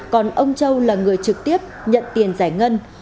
còn ông châu là người trực tiếp nhận tiền giải ngân